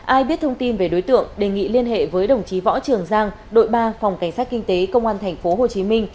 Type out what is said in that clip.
ai biết thông tin về đối tượng đề nghị liên hệ với đồng chí võ trường giang đội ba phòng cảnh sát kinh tế công an tp hcm